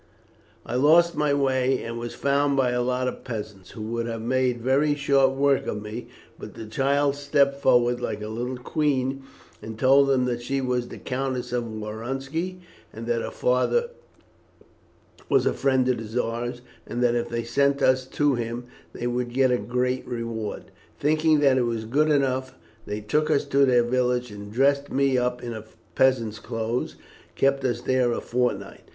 "I lost my way, and was found by a lot of peasants, who would have made very short work of me, but the child stepped forward like a little queen and told them that she was the Countess of Woronski, and that her father was a friend of the Czar's, and that if they sent us to him they would get a great reward. Thinking that it was good enough, they took us to their village and dressed me up in peasant's clothes, and kept us there a fortnight.